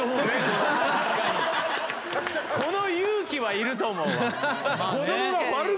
この勇気はいると思うわ。